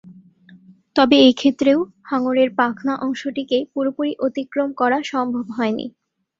তবে এক্ষেত্রেও হাঙরের পাখনা অংশটিকে পুরোপুরি অতিক্রম করা সম্ভব হয়নি।